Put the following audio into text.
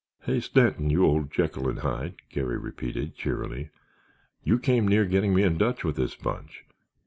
"Hey, Stanton, you old Jekyll and Hyde," Garry repeated, cheerily; "you came near getting me in Dutch with this bunch.